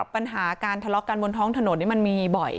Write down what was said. ปัญหาการทะเลาะกันบนท้องถนนนี่มันมีบ่อย